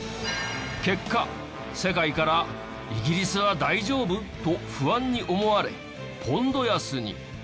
結果世界から「イギリスは大丈夫？」と不安に思われポンド安に。